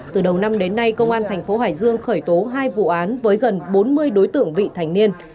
từ đầu năm đến nay công an thành phố hải dương khởi tố hai vụ án với gần bốn mươi đối tượng vị thành niên